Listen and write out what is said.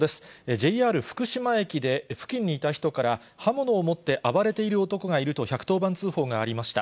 ＪＲ福島駅で、付近にいた人から、刃物を持って暴れている男がいると、１１０番通報がありました。